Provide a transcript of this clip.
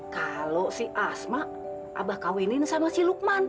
kalau si asma abah kawin sama si lukman